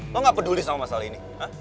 mau gak peduli sama masalah ini